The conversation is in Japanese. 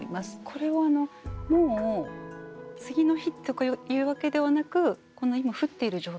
これはもう次の日とかいうわけではなく今降っている状態？